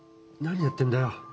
何やってんだよ。